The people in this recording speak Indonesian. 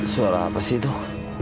suara apa sih tuh